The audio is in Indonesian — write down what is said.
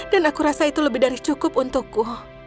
dan aku rasa itu lebih dari cukup untukku